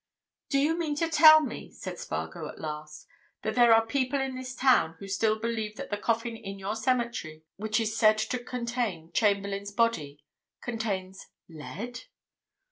"Do you mean to tell me," said Spargo at last, "that there are people in this town who still believe that the coffin in your cemetery which is said to contain Chamberlayne's body contains—lead?"